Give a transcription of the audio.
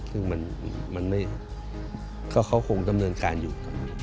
ซึ่งมันไม่เขาคงดำเนินการอยู่